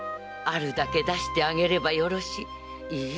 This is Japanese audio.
あるだけ出してあげればよろしい。